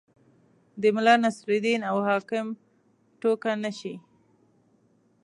د ملا نصرالدین او حاکم ټوکه نه شي.